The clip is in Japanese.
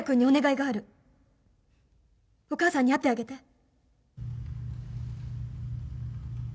お母さんに会ってあげて